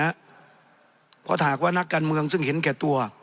เพราะหากว่านักการเมืองซึ่งเห็นแก่ตัว